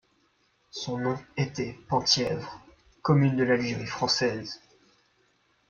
Son nom était Penthièvre, commune de l'Algérie française.